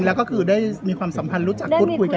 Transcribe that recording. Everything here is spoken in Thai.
เพราะแบบที่เขายังไม่เสร็จภูระกับพี่เขา